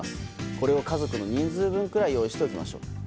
これを家族の人数分くらい用意しておきましょう。